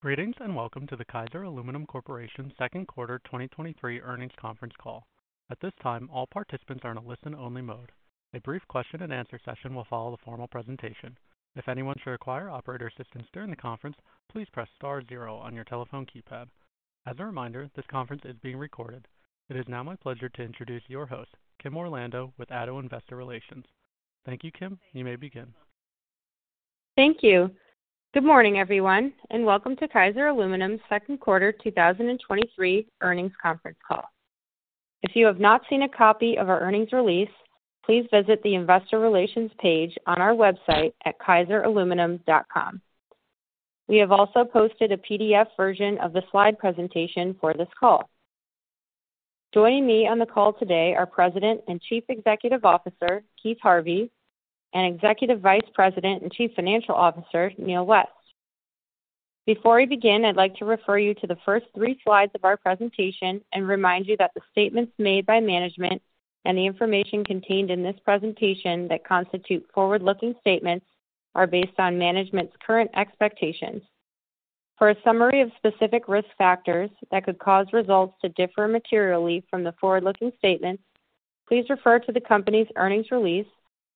Greetings, welcome to the Kaiser Aluminum Corporation Second Quarter 2023 Earnings Conference Call. At this time, all participants are in a listen-only mode. A brief question-and-answer session will follow the formal presentation. If anyone should require operator assistance during the conference, please press star zero on your telephone keypad. As a reminder, this conference is being recorded. It is now my pleasure to introduce your host, Kim Orlando, with ADDO Investor Relations. Thank you, Kim. You may begin. Thank you. Good morning, everyone, and welcome to Kaiser Aluminum's second quarter 2023 earnings conference call. If you have not seen a copy of our earnings release, please visit the Investor Relations page on our website at kaiseraluminum.com. We have also posted a PDF version of the slide presentation for this call. Joining me on the call today are President and Chief Executive Officer, Keith Harvey, and Executive Vice President and Chief Financial Officer, Neal West. Before we begin, I'd like to refer you to the first three slides of our presentation and remind you that the statements made by management and the information contained in this presentation that constitute forward-looking statements are based on management's current expectations. For a summary of specific risk factors that could cause results to differ materially from the forward-looking statements, please refer to the company's earnings release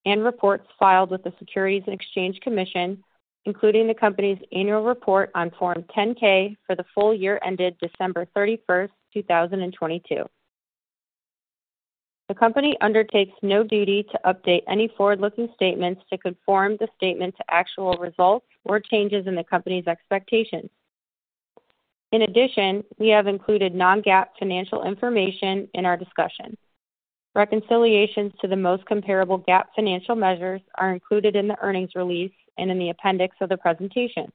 and reports filed with the Securities and Exchange Commission, including the company's annual report on Form 10-K for the full year ended December 31st, 2022. The company undertakes no duty to update any forward-looking statements to conform the statement to actual results or changes in the company's expectations. In addition, we have included non-GAAP financial information in our discussion. Reconciliations to the most comparable GAAP financial measures are included in the earnings release and in the appendix of the presentation.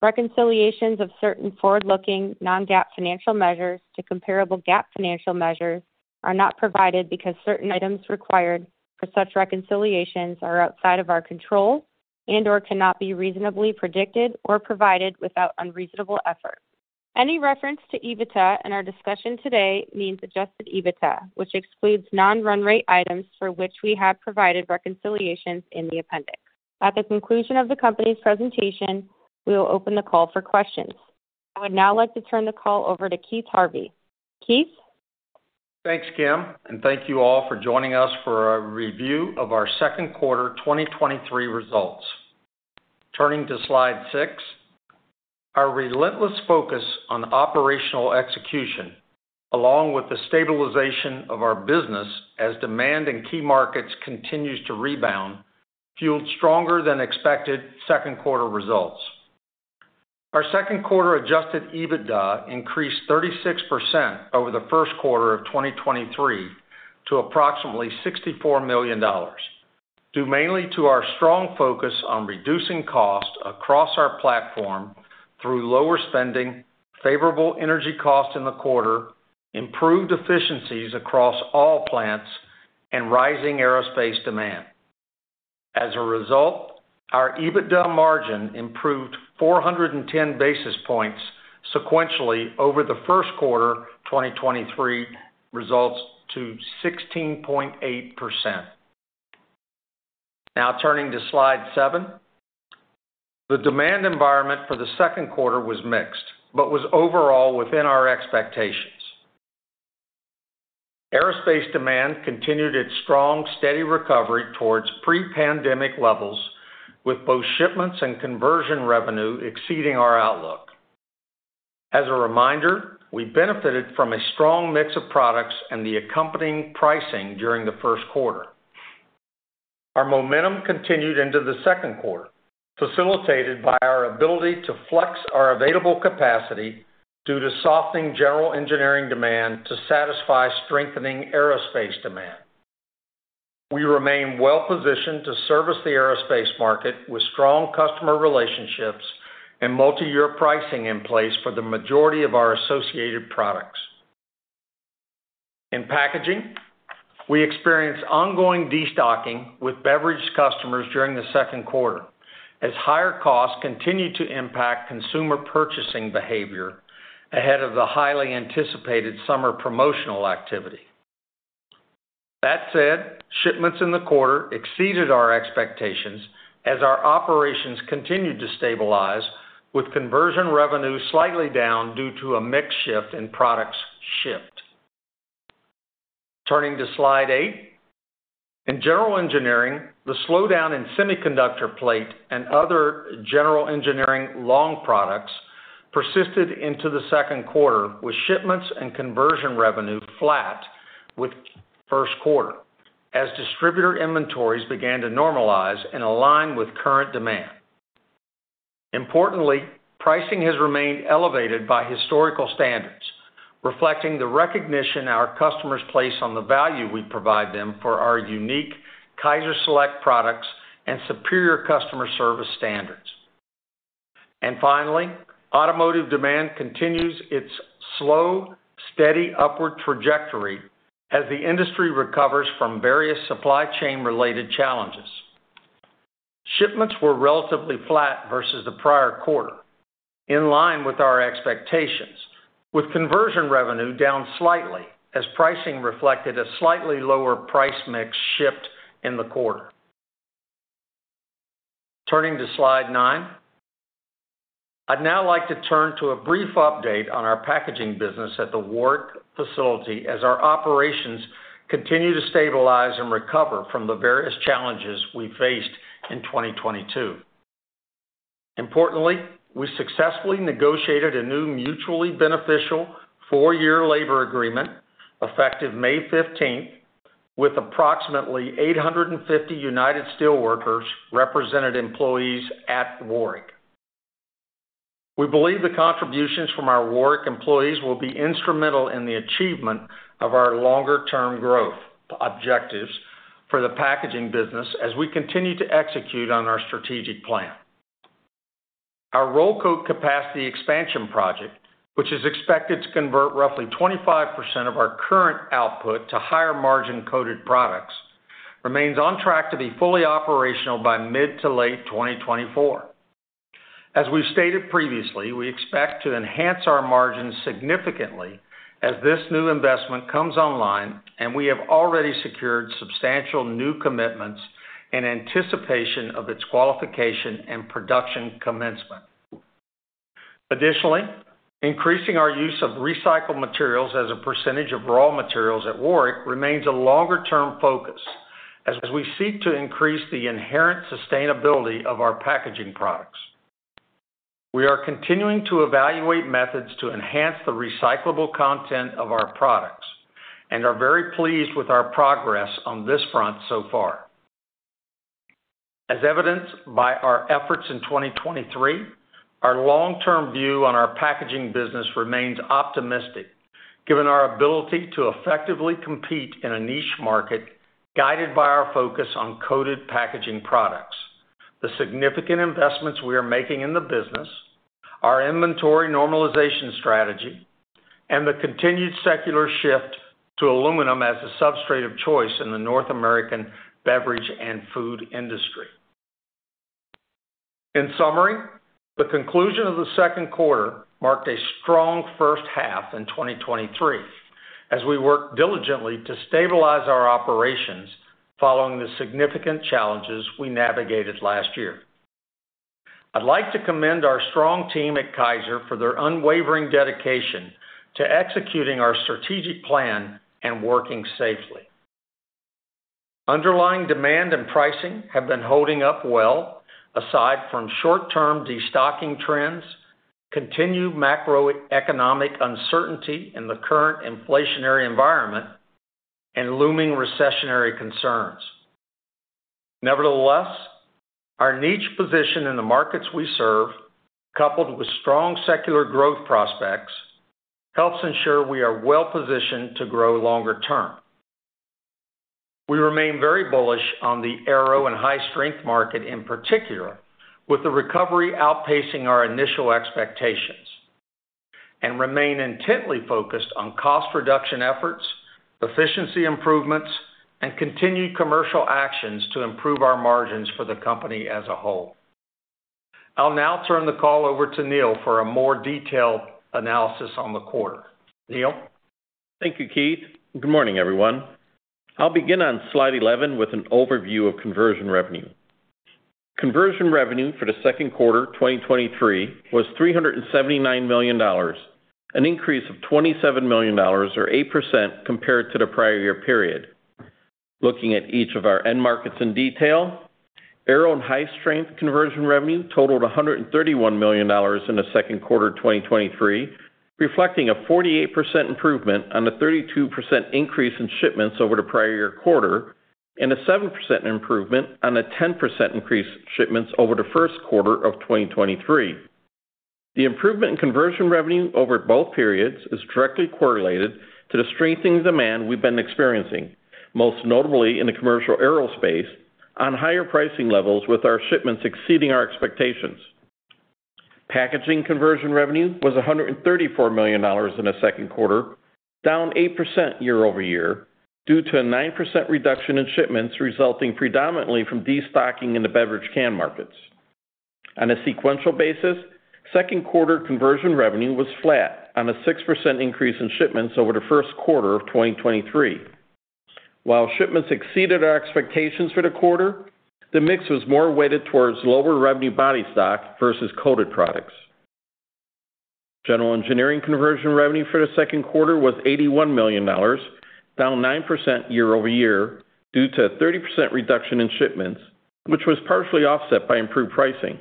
Reconciliations of certain forward-looking non-GAAP financial measures to comparable GAAP financial measures are not provided, because certain items required for such reconciliations are outside of our control and/or cannot be reasonably predicted or provided without unreasonable effort. Any reference to EBITDA in our discussion today means Adjusted EBITDA, which excludes non-run rate items for which we have provided reconciliations in the appendix. At the conclusion of the company's presentation, we will open the call for questions. I would now like to turn the call over to Keith Harvey. Keith? Thanks, Kim. Thank you all for joining us for a review of our second quarter 2023 results. Turning to Slide 6, our relentless focus on operational execution, along with the stabilization of our business as demand in key markets continues to rebound, fueled stronger than expected second quarter results. Our second quarter Adjusted EBITDA increased 36% over the first quarter of 2023 to approximately $64 million, due mainly to our strong focus on reducing costs across our platform through lower spending, favorable energy costs in the quarter, improved efficiencies across all plants, and rising aerospace demand. As a result, our EBITDA margin improved 410 basis points sequentially over the first quarter 2023 results to 16.8%. Turning to Slide 7. The demand environment for the second quarter was mixed but was overall within our expectations. Aerospace demand continued its strong, steady recovery towards pre-pandemic levels, with both shipments and Conversion Revenue exceeding our outlook. As a reminder, we benefited from a strong mix of products and the accompanying pricing during the first quarter. Our momentum continued into the second quarter, facilitated by our ability to flex our available capacity due to softening general engineering demand to satisfy strengthening Aerospace demand. We remain well-positioned to service the Aerospace market with strong customer relationships and multi-year pricing in place for the majority of our associated products. In packaging, we experienced ongoing destocking with beverage customers during the second quarter, as higher costs continued to impact consumer purchasing behavior ahead of the highly anticipated summer promotional activity. That said, shipments in the quarter exceeded our expectations as our operations continued to stabilize, with Conversion Revenue slightly down due to a mix shift in products shipped. Turning to Slide 8. In general engineering, the slowdown in semiconductor plate and other general engineering long products persisted into the second quarter, with shipments and Conversion Revenue flat with first quarter, as distributor inventories began to normalize and align with current demand. Importantly, pricing has remained elevated by historical standards, reflecting the recognition our customers place on the value we provide them for our unique KaiserSelect products and superior customer service standards. Finally, automotive demand continues its slow, steady upward trajectory as the industry recovers from various supply chain-related challenges. Shipments were relatively flat versus the prior quarter, in line with our expectations, with Conversion Revenue down slightly as pricing reflected a slightly lower price mix shift in the quarter. Turning to Slide 9. I'd now like to turn to a brief update on our packaging business at the Warrick facility, as our operations continue to stabilize and recover from the various challenges we faced in 2022. Importantly, we successfully negotiated a new, mutually beneficial 4-year labor agreement, effective May 15th, with approximately 850 United Steelworkers represented employees at Warrick. We believe the contributions from our Warrick employees will be instrumental in the achievement of our longer-term growth objectives for the packaging business as we continue to execute on our strategic plan. Our Roll Coat capacity expansion project, which is expected to convert roughly 25% of our current output to higher-margin coated products, remains on track to be fully operational by mid to late 2024. As we've stated previously, we expect to enhance our margins significantly as this new investment comes online, and we have already secured substantial new commitments in anticipation of its qualification and production commencement. Additionally, increasing our use of recycled materials as a percentage of raw materials at Warrick remains a longer-term focus, as we seek to increase the inherent sustainability of our packaging products. We are continuing to evaluate methods to enhance the recyclable content of our products and are very pleased with our progress on this front so far. As evidenced by our efforts in 2023, our long-term view on our packaging business remains optimistic, given our ability to effectively compete in a niche market, guided by our focus on coated packaging products, the significant investments we are making in the business, our inventory normalization strategy, and the continued secular shift to aluminum as a substrate of choice in the North American beverage and food industry. In summary, the conclusion of the second quarter marked a strong first half in 2023, as we worked diligently to stabilize our operations following the significant challenges we navigated last year. I'd like to commend our strong team at Kaiser for their unwavering dedication to executing our strategic plan and working safely. Underlying demand and pricing have been holding up well, aside from short-term destocking trends, continued macroeconomic uncertainty in the current inflationary environment, and looming recessionary concerns. Nevertheless, our niche position in the markets we serve, coupled with strong secular growth prospects, helps ensure we are well-positioned to grow longer term. We remain very bullish on the Aero/HS market in particular, with the recovery outpacing our initial expectations, and remain intently focused on cost reduction efforts, efficiency improvements, and continued commercial actions to improve our margins for the company as a whole. I'll now turn the call over to Neal for a more detailed analysis on the quarter. Neal? Thank you, Keith. Good morning, everyone. I'll begin on slide 11 with an overview of Conversion Revenue. Conversion Revenue for the second quarter 2023 was $379 million, an increase of $27 million, or 8% compared to the prior year period. Looking at each of our end markets in detail, aero and high-strength Conversion Revenue totaled $131 million in the second quarter 2023, reflecting a 48% improvement on a 32% increase in shipments over the prior year quarter, and a 7% improvement on a 10% increase in shipments over the first quarter 2023. The improvement in Conversion Revenue over both periods is directly correlated to the strengthening demand we've been experiencing, most notably in the commercial aerospace, on higher pricing levels, with our shipments exceeding our expectations. Packaging conversion revenue was $134 million in the second quarter, down 8% year-over-year, due to a 9% reduction in shipments, resulting predominantly from destocking in the beverage can markets. On a sequential basis, second quarter conversion revenue was flat on a 6% increase in shipments over the first quarter of 2023. While shipments exceeded our expectations for the quarter, the mix was more weighted towards lower-revenue body stock versus coated products. General engineering conversion revenue for the second quarter was $81 million, down 9% year-over-year due to a 30% reduction in shipments, which was partially offset by improved pricing.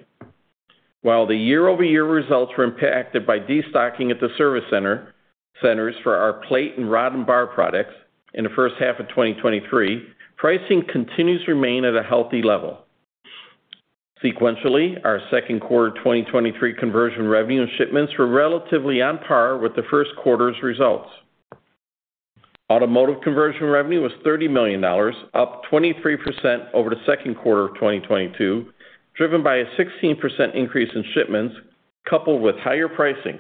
While the year-over-year results were impacted by destocking at the service centers for our plate and rod and bar products in the first half of 2023, pricing continues to remain at a healthy level. Sequentially, our second quarter 2023 Conversion Revenue and shipments were relatively on par with the first quarter's results. Automotive Conversion Revenue was $30 million, up 23% over the second quarter of 2022, driven by a 16% increase in shipments, coupled with higher pricing.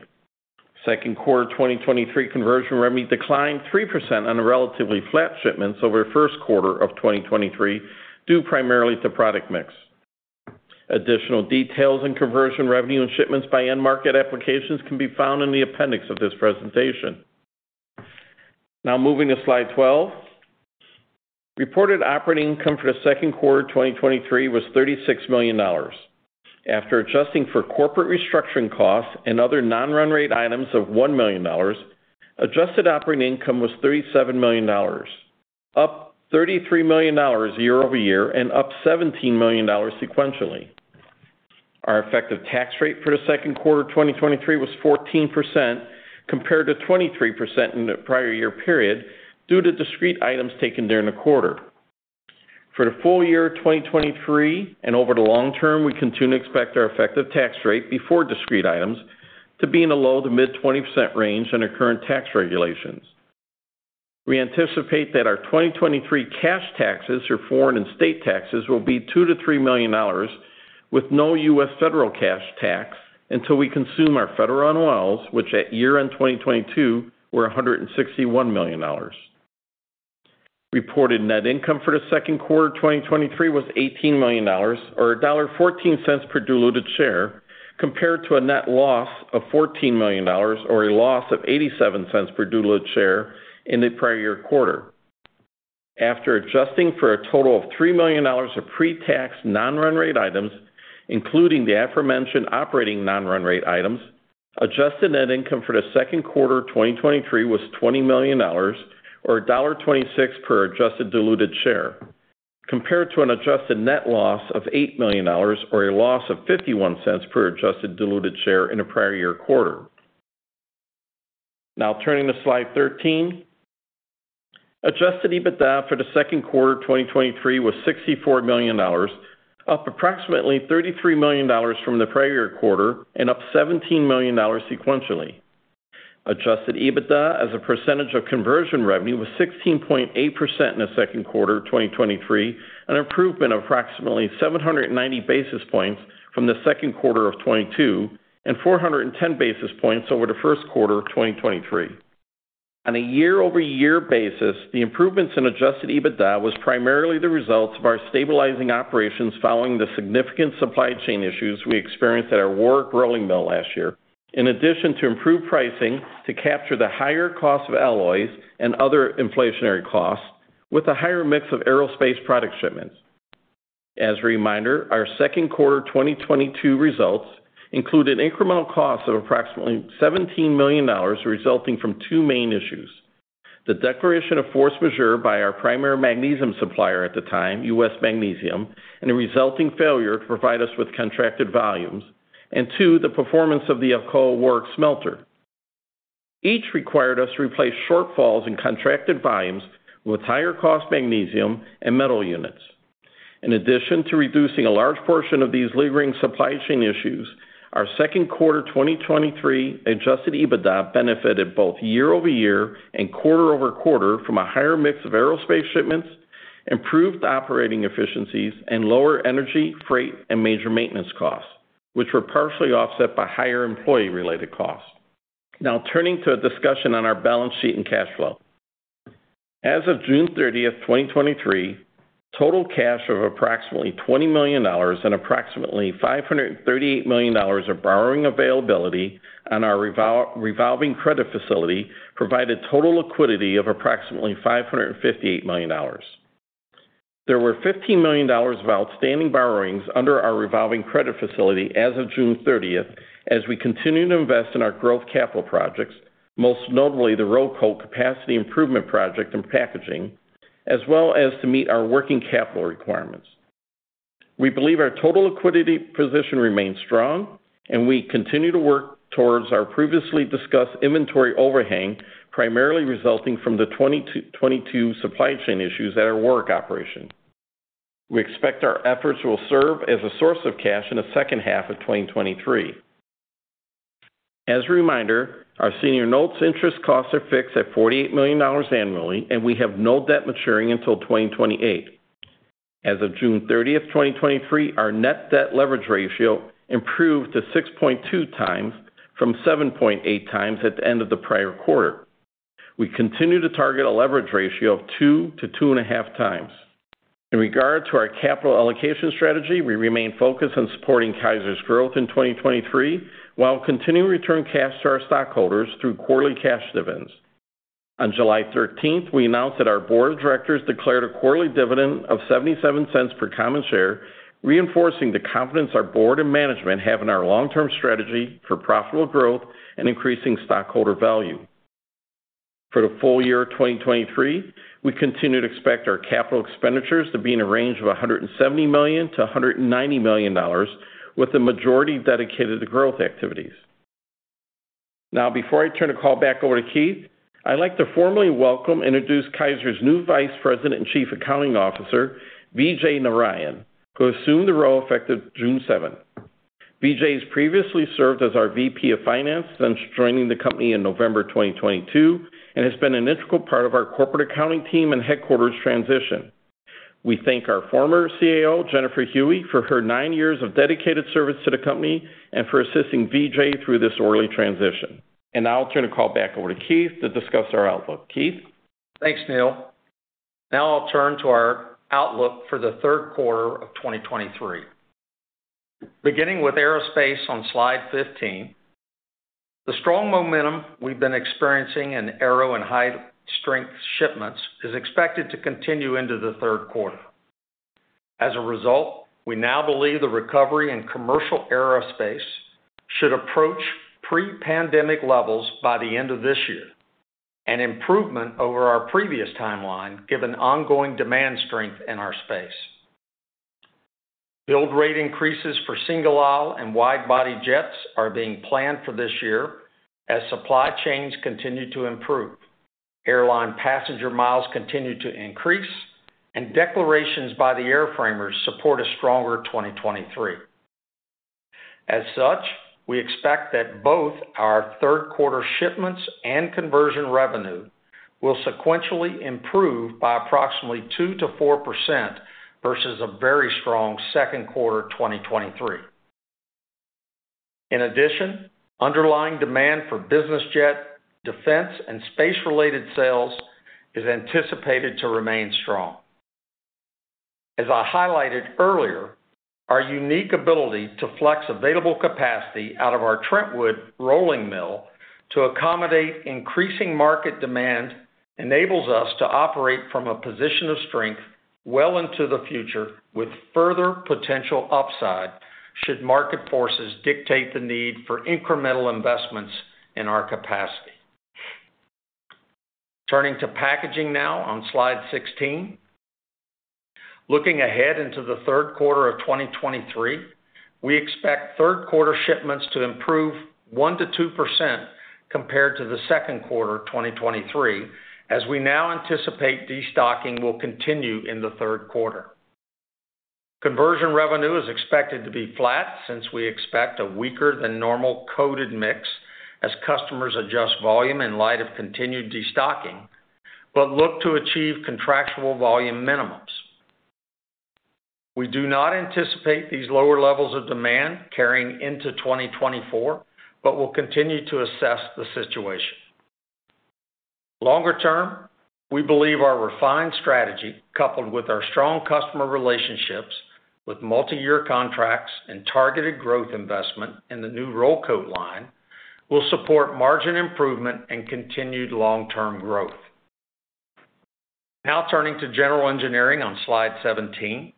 Second quarter 2023 Conversion Revenue declined 3% on the relatively flat shipments over the first quarter of 2023, due primarily to product mix. Additional details in Conversion Revenue and shipments by end market applications can be found in the appendix of this presentation. Moving to Slide 12. Reported operating income for the second quarter of 2023 was $36 million. After adjusting for corporate restructuring costs and other non-run rate items of $1 million, adjusted operating income was $37 million, up $33 million year-over-year, and up $17 million sequentially. Our effective tax rate for the second quarter of 2023 was 14%, compared to 23% in the prior year period, due to discrete items taken during the quarter. For the full year of 2023 and over the long term, we continue to expect our effective tax rate before discrete items to be in the low to mid 20% range under current tax regulations. We anticipate that our 2023 cash taxes, or foreign and state taxes, will be $2 million-$3 million, with no U.S. federal cash tax until we consume our federal NOLs, which at year end 2022 were $161 million. Reported net income for the second quarter of 2023 was $18 million, or $1.14 per diluted share, compared to a net loss of $14 million or a loss of $0.87 per diluted share in the prior year quarter. After adjusting for a total of $3 million of pre-tax non-run-rate items, including the aforementioned operating non-run-rate items, Adjusted net income for the second quarter of 2023 was $20 million, or $1.26 per adjusted diluted share, compared to an Adjusted net loss of $8 million or a loss of $0.51 per adjusted diluted share in the prior year quarter. Now turning to Slide 13. Adjusted EBITDA for the second quarter of 2023 was $64 million, up approximately $33 million from the prior year quarter and up $17 million sequentially. Adjusted EBITDA as a percentage of Conversion Revenue was 16.8% in the second quarter of 2023, an improvement of approximately 790 basis points from the second quarter of 2022, and 410 basis points over the first quarter of 2023. On a year-over-year basis, the improvements in Adjusted EBITDA was primarily the results of our stabilizing operations following the significant supply chain issues we experienced at our Warrick Rolling mill last year, in addition to improved pricing to capture the higher cost of alloys and other inflationary costs with a higher mix of aerospace product shipments. As a reminder, our second quarter 2022 results included incremental costs of approximately $17 million, resulting from two main issues: the declaration of force majeure by our primary magnesium supplier at the time, US Magnesium, and the resulting failure to provide us with contracted volumes. 2. The performance of the Alcoa Warrick smelter. Each required us to replace shortfalls in contracted volumes with higher cost magnesium and metal units. In addition to reducing a large portion of these lingering supply chain issues, our second quarter 2023 Adjusted EBITDA benefited both year-over-year and quarter-over-quarter from a higher mix of aerospace shipments, improved operating efficiencies, and lower energy, freight, and major maintenance costs, which were partially offset by higher employee-related costs. Now, turning to a discussion on our balance sheet and cash flow. As of June 30th, 2023, total cash of approximately $20 million and approximately $538 million of borrowing availability on our revolving credit facility provided total liquidity of approximately $558 million. There were $15 million of outstanding borrowings under our revolving credit facility as of June 30th, as we continue to invest in our growth capital projects, most notably the Roll coat Capacity Improvement Project in packaging, as well as to meet our working capital requirements. We believe our total liquidity position remains strong, we continue to work towards our previously discussed inventory overhang, primarily resulting from the 2022 supply chain issues at our Warrick operation. We expect our efforts will serve as a source of cash in the second half of 2023. As a reminder, our Senior Notes interest costs are fixed at $48 million annually. We have no debt maturing until 2028. As of June 30, 2023, our net debt leverage ratio improved to 6.2x from 7.8x at the end of the prior quarter. We continue to target a leverage ratio of 2x-2.5x. In regard to our capital allocation strategy, we remain focused on supporting Kaiser's growth in 2023, while continuing to return cash to our stockholders through quarterly cash dividends. On July 13, we announced that our board of directors declared a quarterly dividend of $0.77 per common share, reinforcing the confidence our board and management have in our long-term strategy for profitable growth and increasing stockholder value. For the full year of 2023, we continue to expect our capital expenditures to be in a range of $170 million-$190 million, with the majority dedicated to growth activities. Now, before I turn the call back over to Keith, I'd like to formally welcome and introduce Kaiser's new Vice President and Chief Accounting Officer, Vijai Narayan, who assumed the role effective June 7. Vijai has previously served as our VP of Finance since joining the company in November 2022, has been an integral part of our corporate accounting team and headquarters transition. We thank our former Chief Accounting Officer, Jennifer Huey, for her nine years of dedicated service to the company and for assisting Vijai through this orderly transition. Now I'll turn the call back over to Keith to discuss our outlook. Keith? Thanks, Neal. I'll turn to our outlook for the third quarter of 2023. Beginning with aerospace on slide 15. The strong momentum we've been experiencing in Aero/HS shipments is expected to continue into the third quarter. We now believe the recovery in commercial aerospace should approach pre-pandemic levels by the end of this year, an improvement over our previous timeline, given ongoing demand strength in our space. Build rate increases for single aisle and wide-body jets are being planned for this year as supply chains continue to improve, airline passenger miles continue to increase, declarations by the airframers support a stronger 2023. We expect that both our third quarter shipments and Conversion Revenue will sequentially improve by approximately 2% to 4% versus a very strong second quarter of 2023. In addition, underlying demand for business jet, defense, and space-related sales is anticipated to remain strong. As I highlighted earlier, our unique ability to flex available capacity out of our Trentwood rolling mill to accommodate increasing market demand enables us to operate from a position of strength well into the future, with further potential upside should market forces dictate the need for incremental investments in our capacity. Turning to packaging now on slide 16. Looking ahead into the third quarter of 2023, we expect third quarter shipments to improve 1% to 2% compared to the second quarter of 2023, as we now anticipate destocking will continue in the third quarter. Conversion Revenue is expected to be flat since we expect a weaker than normal coated mix as customers adjust volume in light of continued destocking, but look to achieve contractual volume minimums. We do not anticipate these lower levels of demand carrying into 2024. We'll continue to assess the situation. Longer term, we believe our refined strategy, coupled with our strong customer relationships with multiyear contracts and targeted growth investment in the new roll coat line, will support margin improvement and continued long-term growth. Now turning to General Engineering on slide 17.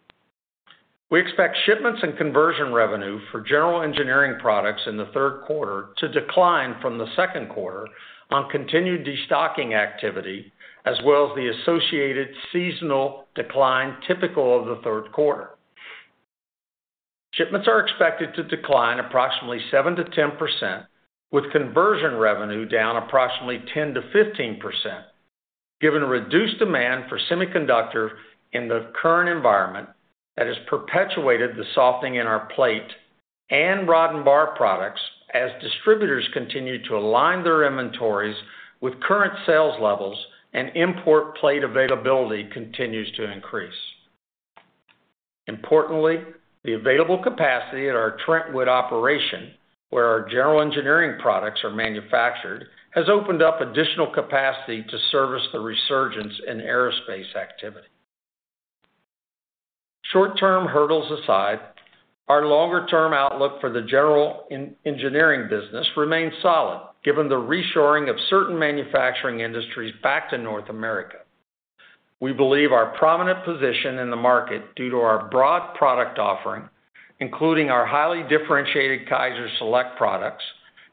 We expect shipments and Conversion Revenue for General Engineering products in the third quarter to decline from the second quarter on continued destocking activity, as well as the associated seasonal decline typical of the third quarter. Shipments are expected to decline approximately 7% to 10%, with conversion revenue down approximately 10% to 15%, given a reduced demand for semiconductor in the current environment that has perpetuated the softening in our plate and rod and bar products as distributors continue to align their inventories with current sales levels and import plate availability continues to increase. Importantly, the available capacity at our Trentwood operation, where our general engineering products are manufactured, has opened up additional capacity to service the resurgence in aerospace activity. Short-term hurdles aside, our longer-term outlook for the general engineering business remains solid, given the reshoring of certain manufacturing industries back to North America. We believe our prominent position in the market, due to our broad product offering, including our highly differentiated KaiserSelect products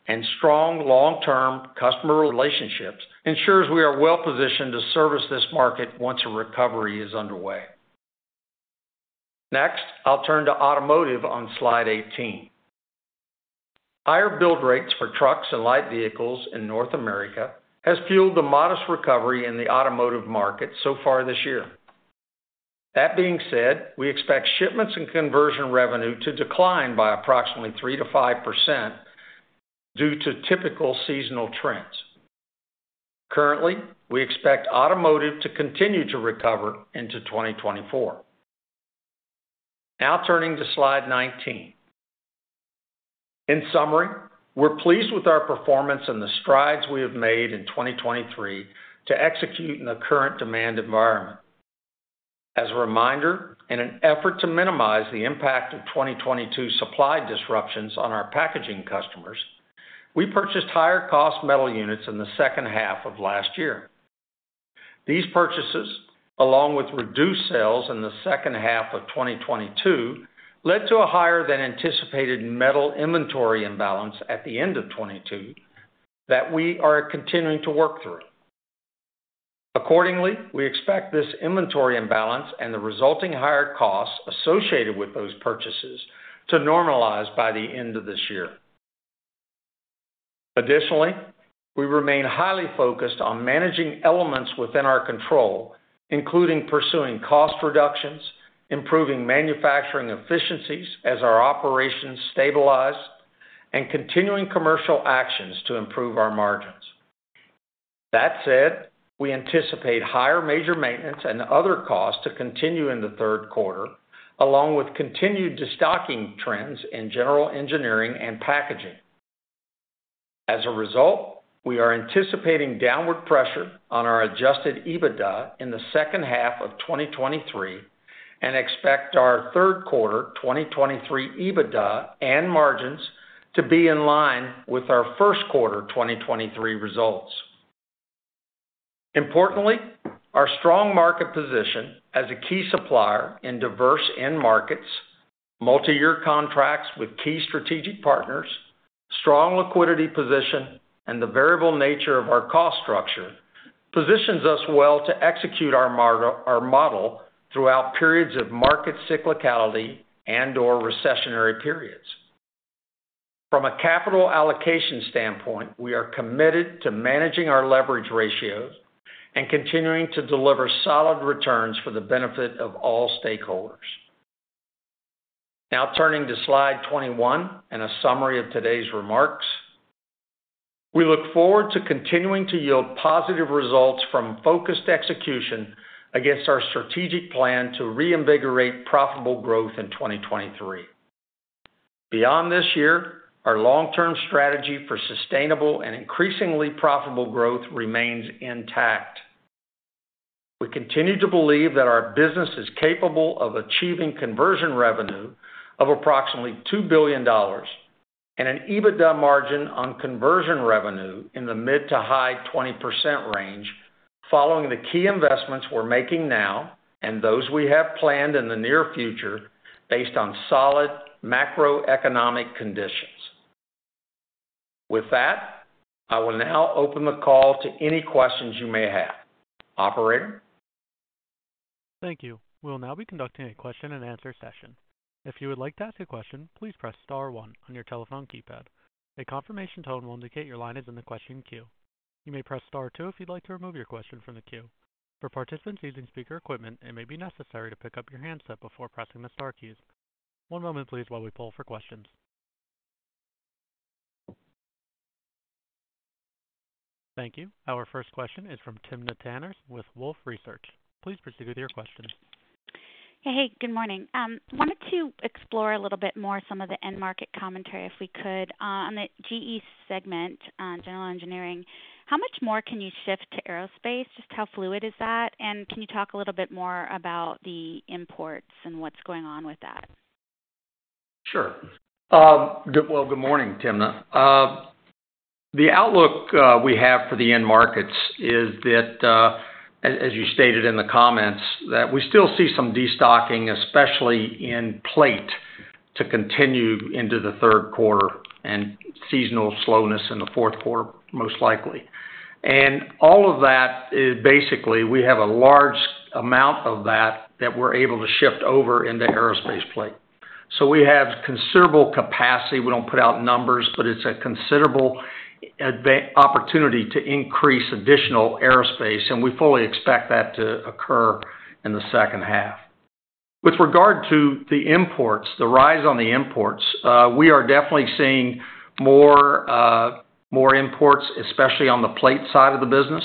and strong long-term customer relationships, ensures we are well positioned to service this market once a recovery is underway. Next, I'll turn to automotive on slide 18. Higher build rates for trucks and light vehicles in North America has fueled a modest recovery in the automotive market so far this year. That being said, we expect shipments and Conversion Revenue to decline by approximately 3% to 5% due to typical seasonal trends. Currently, we expect automotive to continue to recover into 2024. Now turning to slide 19. In summary, we're pleased with our performance and the strides we have made in 2023 to execute in the current demand environment. As a reminder, in an effort to minimize the impact of 2022 supply disruptions on our packaging customers, we purchased higher-cost metal units in the second half of last year. These purchases, along with reduced sales in the second half of 2022, led to a higher than anticipated metal inventory imbalance at the end of 2022 that we are continuing to work through. We expect this inventory imbalance and the resulting higher costs associated with those purchases to normalize by the end of this year. We remain highly focused on managing elements within our control, including pursuing cost reductions, improving manufacturing efficiencies as our operations stabilize, and continuing commercial actions to improve our margins. That said, we anticipate higher major maintenance and other costs to continue in the third quarter, along with continued destocking trends in general engineering and packaging. We are anticipating downward pressure on our Adjusted EBITDA in the second half of 2023, and expect our third quarter 2023 EBITDA and margins to be in line with our first quarter 2023 results. Importantly, our strong market position as a key supplier in diverse end markets, multiyear contracts with key strategic partners, strong liquidity position, and the variable nature of our cost structure, positions us well to execute our model throughout periods of market cyclicality and/or recessionary periods. From a capital allocation standpoint, we are committed to managing our leverage ratios and continuing to deliver solid returns for the benefit of all stakeholders. Turning to slide 21 and a summary of today's remarks. We look forward to continuing to yield positive results from focused execution against our strategic plan to reinvigorate profitable growth in 2023. Beyond this year, our long-term strategy for sustainable and increasingly profitable growth remains intact. We continue to believe that our business is capable of achieving Conversion Revenue of approximately $2 billion and an EBITDA margin on Conversion Revenue in the mid to high 20% range, following the key investments we're making now and those we have planned in the near future based on solid macroeconomic conditions. With that, I will now open the call to any questions you may have. Operator? Thank you. We'll now be conducting a question-and-answer session. If you would like to ask a question, please press star 1 on your telephone keypad. A confirmation tone will indicate your line is in the question queue. You may press star 2 if you'd like to remove your question from the queue. For participants using speaker equipment, it may be necessary to pick up your handset before pressing the star keys. One moment please, while we pull for questions. Thank you. Our first question is from Timna Tanners with Wolfe Research. Please proceed with your question. Hey, good morning. wanted to explore a little bit more some of the end market commentary, if we could, on the GE segment, General Engineering. How much more can you shift to aerospace? Just how fluid is that? Can you talk a little bit more about the imports and what's going on with that? Sure. good morning, Timna. The outlook we have for the end markets is that, as you stated in the comments, that we still see some destocking, especially in plate, to continue into the third quarter and seasonal slowness in the fourth quarter, most likely. All of that is basically, we have a large amount of that we're able to shift over into aerospace plate. We have considerable capacity. We don't put out numbers, but it's a considerable opportunity to increase additional aerospace, and we fully expect that to occur in the second half. With regard to the imports, the rise on the imports, we are definitely seeing more, more imports, especially on the plate side of the business.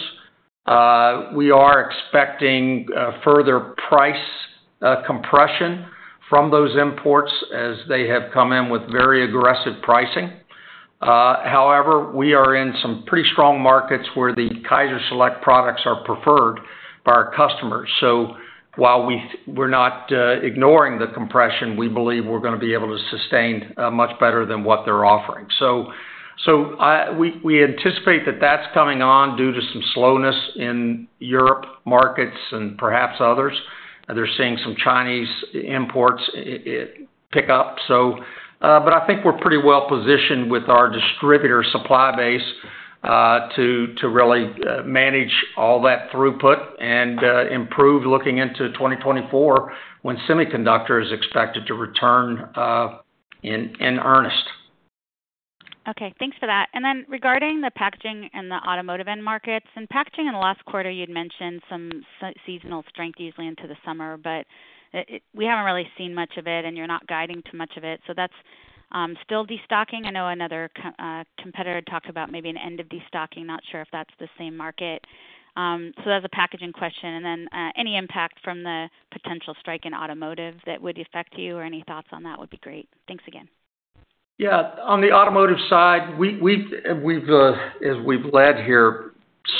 We are expecting further price compression from those imports as they have come in with very aggressive pricing. However, we are in some pretty strong markets where the KaiserSelect products are preferred by our customers. While we're not ignoring the compression, we believe we're gonna be able to sustain much better than what they're offering. We anticipate that that's coming on due to some slowness in Europe markets and perhaps others. They're seeing some Chinese imports pick up, but I think we're pretty well positioned with our distributor supply base to really manage all that throughput and improve looking into 2024, when semiconductor is expected to return in earnest. Okay, thanks for that. Then regarding the packaging and the automotive end markets, in packaging in the last quarter, you'd mentioned some seasonal strength easily into the summer, but we haven't really seen much of it, and you're not guiding to much of it, so that's still destocking. I know another competitor talked about maybe an end of destocking. Not sure if that's the same market. That's a packaging question. Then any impact from the potential strike in automotive that would affect you, or any thoughts on that would be great. Thanks again. Yeah. On the automotive side, we've, as we've led here,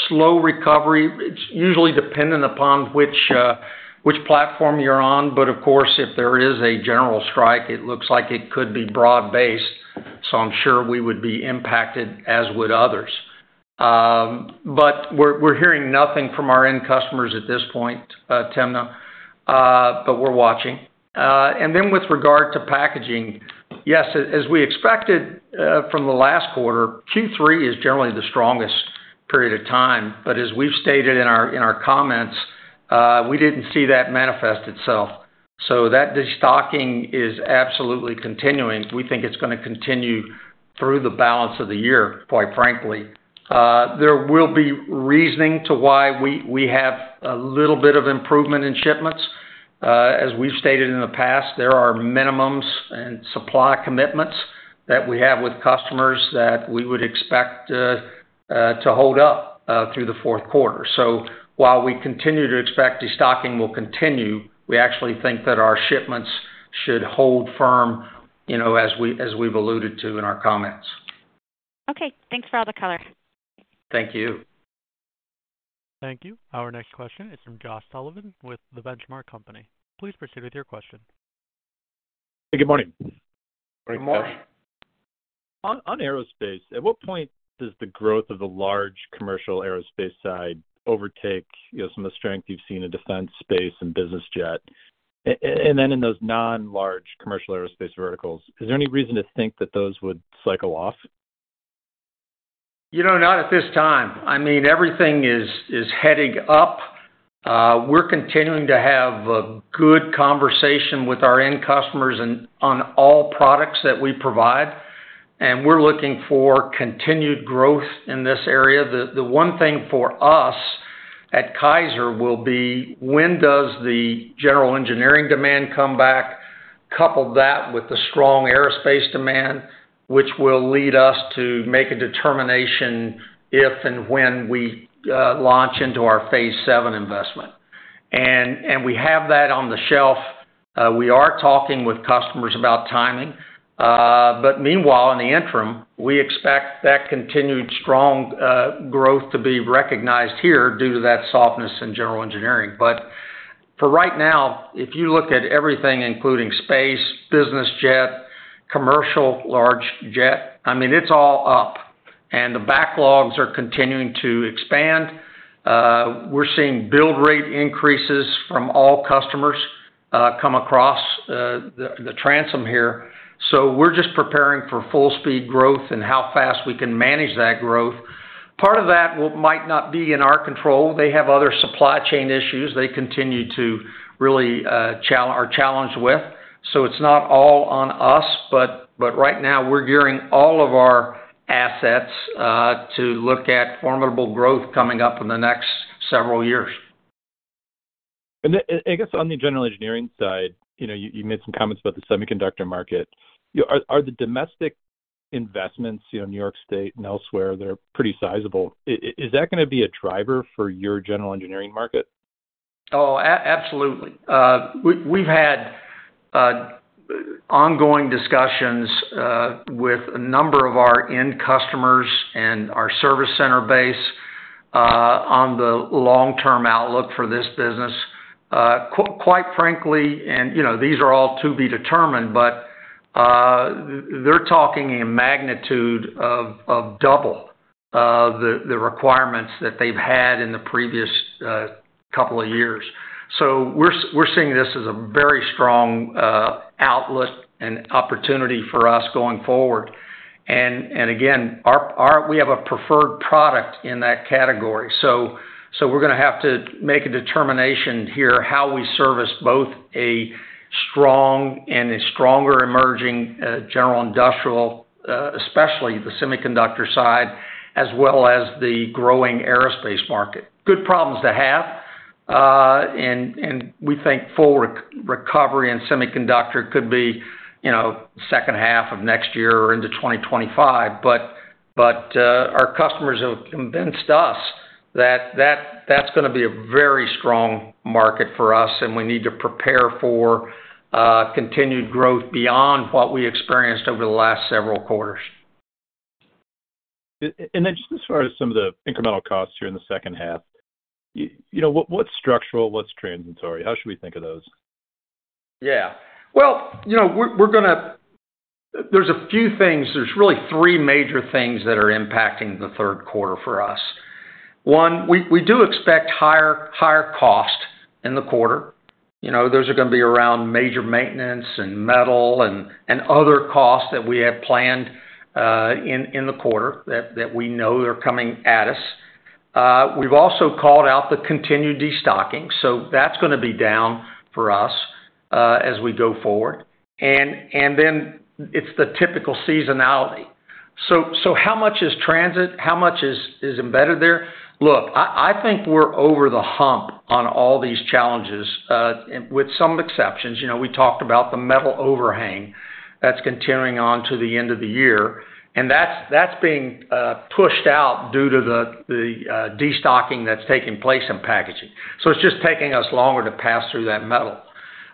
slow recovery. It's usually dependent upon which platform you're on. Of course, if there is a general strike, it looks like it could be broad-based, so I'm sure we would be impacted, as would others. We're hearing nothing from our end customers at this point, Timna, we're watching. With regard to packaging, yes, as we expected, from the last quarter, Q3 is generally the strongest period of time. As we've stated in our comments, we didn't see that manifest itself. That destocking is absolutely continuing. We think it's gonna continue through the balance of the year, quite frankly. There will be reasoning to why we have a little bit of improvement in shipments. As we've stated in the past, there are minimums and supply commitments that we have with customers that we would expect to hold up through the fourth quarter. While we continue to expect destocking will continue, we actually think that our shipments... should hold firm, you know, as we've alluded to in our comments. Okay, thanks for all the color. Thank you. Thank you. Our next question is from Josh Sullivan with The Benchmark Company. Please proceed with your question. Good morning. Good morning. On aerospace, at what point does the growth of the large commercial aerospace side overtake, you know, some of the strength you've seen in defense space and business jet? In those non-large commercial aerospace verticals, is there any reason to think that those would cycle off? You know, not at this time. I mean, everything is heading up. We're continuing to have a good conversation with our end customers on all products that we provide, we're looking for continued growth in this area. The one thing for us at Kaiser will be, when does the general engineering demand come back, couple that with the strong aerospace demand, which will lead us to make a determination if and when we launch into our Phase VII investment. We have that on the shelf. We are talking with customers about timing, meanwhile, in the interim, we expect that continued strong growth to be recognized here due to that softness in general engineering. For right now, if you look at everything, including space, business jet, commercial, large jet, I mean, it's all up, and the backlogs are continuing to expand. We're seeing build rate increases from all customers come across the transom here. We're just preparing for full speed growth and how fast we can manage that growth. Part of that might not be in our control. They have other supply chain issues they continue to really are challenged with. It's not all on us, but right now we're gearing all of our assets to look at formidable growth coming up in the next several years. I guess on the general engineering side, you know, you made some comments about the semiconductor market. You know, are the domestic investments, you know, in New York State and elsewhere, they're pretty sizable. Is that gonna be a driver for your general engineering market? Absolutely. We've had ongoing discussions with a number of our end customers and our service center base on the long-term outlook for this business. Quite frankly, and, you know, these are all to be determined, but they're talking a magnitude of double the requirements that they've had in the previous couple of years. We're seeing this as a very strong outlet and opportunity for us going forward. Again, we have a preferred product in that category. We're gonna have to make a determination here, how we service both a strong and a stronger emerging general industrial, especially the semiconductor side, as well as the growing aerospace market. Good problems to have. We think full recovery and semiconductor could be, you know, second half of next year or into 2025. Our customers have convinced us that's gonna be a very strong market for us, and we need to prepare for, continued growth beyond what we experienced over the last several quarters. Then, just as far as some of the incremental costs here in the second half, you know, what's structural, what's transitory? How should we think of those? Yeah. Well, you know, there's a few things. There's really 3 major things that are impacting the third quarter for us. One, we do expect higher cost in the quarter. You know, those are gonna be around major maintenance and metal and other costs that we have planned in the quarter that we know are coming at us. We've also called out the continued destocking, so that's gonna be down for us as we go forward. It's the typical seasonality. How much is transit? How much is embedded there? Look, I think we're over the hump on all these challenges with some exceptions. You know, we talked about the metal overhang that's continuing on to the end of the year, and that's being pushed out due to the destocking that's taking place in packaging. It's just taking us longer to pass through that metal.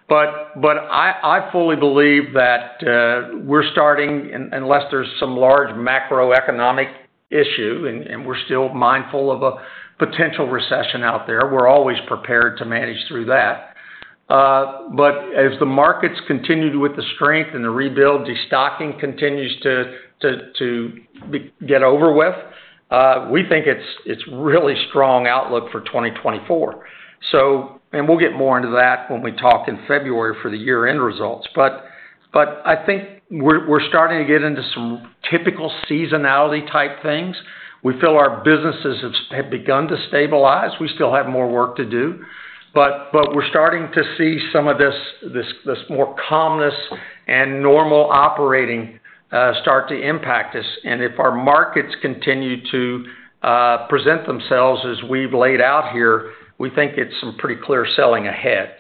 I fully believe that we're starting unless there's some large macroeconomic issue, and we're still mindful of a potential recession out there, we're always prepared to manage through that. As the markets continue with the strength and the rebuild, destocking continues to get over with, we think it's really strong outlook for 2024. We'll get more into that when we talk in February for the year-end results. I think we're starting to get into some typical seasonality type things. We feel our businesses have begun to stabilize. We still have more work to do, but we're starting to see some of this more calmness and normal operating start to impact us. If our markets continue to present themselves as we've laid out here, we think it's some pretty clear sailing ahead.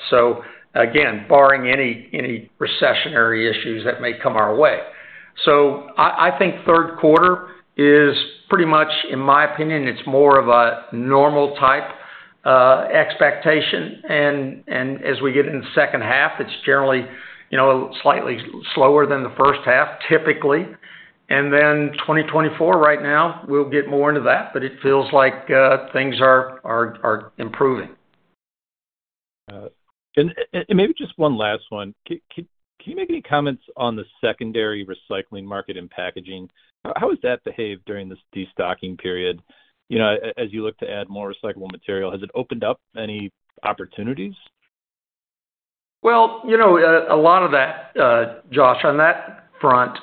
Again, barring any recessionary issues that may come our way. I think third quarter is pretty much, in my opinion, it's more of a normal type expectation. As we get into the second half, it's generally, you know, slightly slower than the first half, typically. 2024, right now, we'll get more into that, but it feels like things are improving. Maybe just one last one. Can you make any comments on the secondary recycling market and packaging? How does that behave during this destocking period? You know, as you look to add more recyclable material, has it opened up any opportunities? Well, you know, a lot of that, Josh, on that front,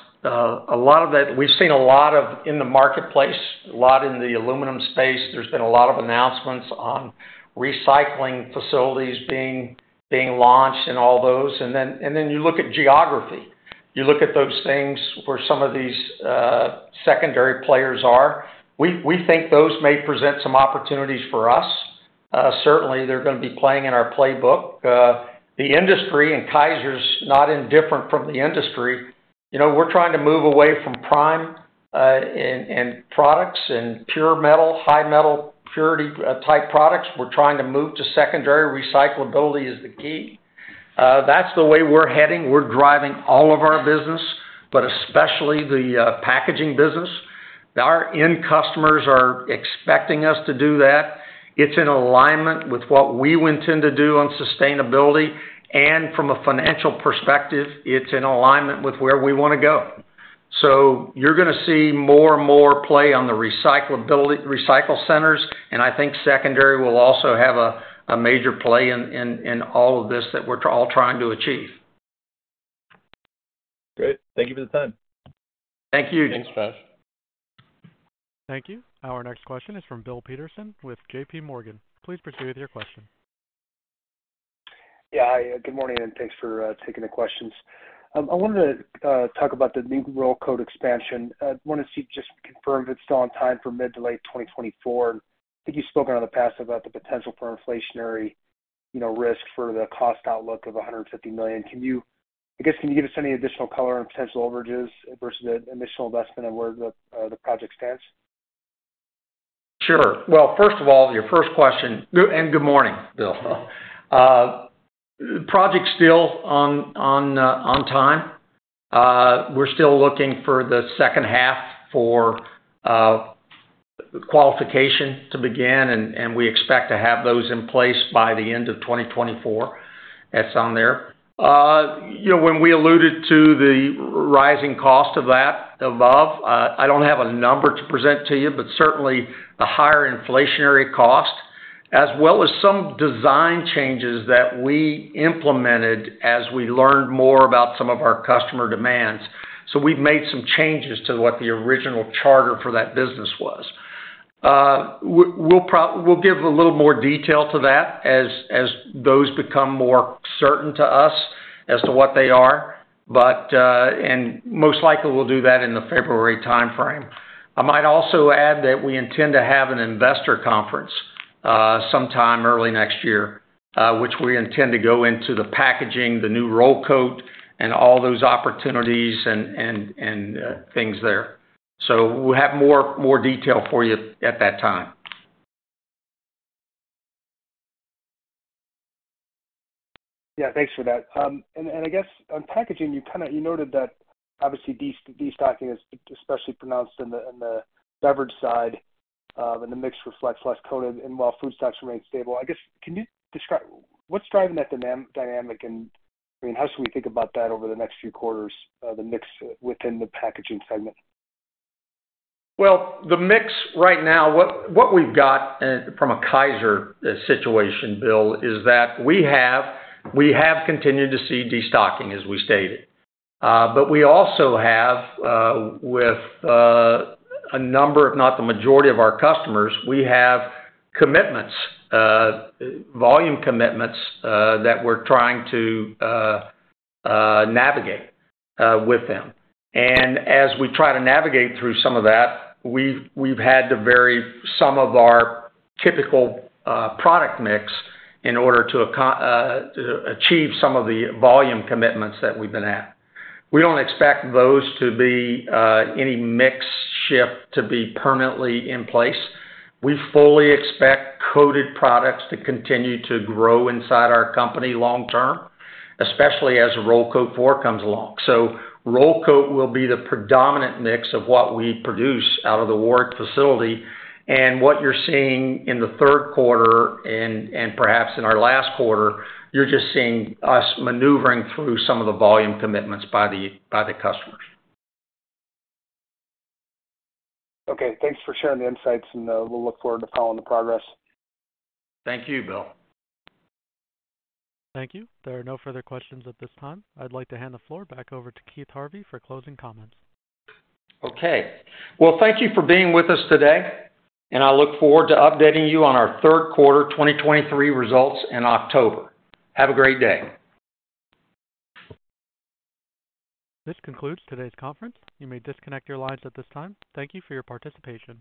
we've seen a lot of in the marketplace, a lot in the aluminum space. There's been a lot of announcements on recycling facilities being launched and all those. Then, you look at geography. You look at those things where some of these secondary players are. We think those may present some opportunities for us. Certainly, they're gonna be playing in our playbook. The industry, and Kaiser's not indifferent from the industry, you know, we're trying to move away from prime, and products and pure metal, high metal purity, type products. We're trying to move to secondary. Recyclability is the key. That's the way we're heading. We're driving all of our business, but especially the packaging business. Our end customers are expecting us to do that. It's in alignment with what we would intend to do on sustainability, and from a financial perspective, it's in alignment with where we wanna go. You're gonna see more and more play on the recycle centers, and I think secondary will also have a major play in all of this that we're all trying to achieve. Great. Thank you for the time. Thank you. Thank you. Our next question is from Bill Peterson with J.P. Morgan. Please proceed with your question. Hi, good morning, and thanks for taking the questions. I wanted to talk about the new roll coat expansion. I wanted to see, just confirm if it's still on time for mid to late 2024. I think you've spoken in the past about the potential for inflationary, you know, risk for the cost outlook of $150 million. I guess, can you give us any additional color on potential overages versus the initial investment and where the project stands? Sure. Well, first of all, your first question. Good. Good morning, Bill. Project's still on time. We're still looking for the second half for qualification to begin, and we expect to have those in place by the end of 2024. That's on there. You know, when we alluded to the rising cost of that, above, I don't have a number to present to you, but certainly a higher inflationary cost, as well as some design changes that we implemented as we learned more about some of our customer demands. We've made some changes to what the original charter for that business was. We'll give a little more detail to that as those become more certain to us as to what they are. Most likely, we'll do that in the February timeframe. I might also add that we intend to have an investor conference, sometime early next year, which we intend to go into the packaging, the new Roll Coat, and all those opportunities and things there. We'll have more, more detail for you at that time. Yeah, thanks for that. I guess on packaging, you kinda, you noted that obviously, destocking is especially pronounced in the beverage side, the mix reflects less coated and while food stocks remain stable. I guess, can you describe what's driving that dynamic, and, I mean, how should we think about that over the next few quarters, the mix within the packaging segment? Well, the mix right now, what we've got from a Kaiser situation, Bill, is that we have continued to see destocking, as we stated. We also have, with a number, if not the majority of our customers, we have commitments, volume commitments, that we're trying to navigate with them. As we try to navigate through some of that, we've had to vary some of our typical product mix in order to achieve some of the volume commitments that we've been at. We don't expect those to be any mix shift to be permanently in place. We fully expect coated products to continue to grow inside our company long term, especially as Roll Coat Four comes along. Roll Coat will be the predominant mix of what we produce out of the Warrick facility. What you're seeing in the third quarter and perhaps in our last quarter, you're just seeing us maneuvering through some of the volume commitments by the customers. Okay, thanks for sharing the insights, and, we'll look forward to following the progress. Thank you, Bill. Thank you. There are no further questions at this time. I'd like to hand the floor back over to Keith Harvey for closing comments. Okay. Well, thank you for being with us today, and I look forward to updating you on our third quarter 2023 results in October. Have a great day. This concludes today's conference. You may disconnect your lines at this time. Thank you for your participation.